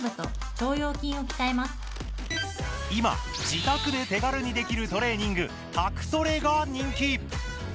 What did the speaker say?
今、自宅で手軽にできるトレーニング「宅トレ」が人気！